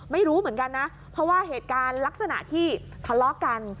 ไม่รู้เหมือนกันนะเพราะว่าเหตุการณ์ลักษณะที่ทะเลาะกัน